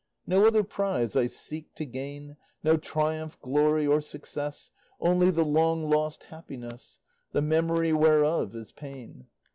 No other prize I seek to gain, No triumph, glory, or success, Only the long lost happiness, The memory whereof is pain.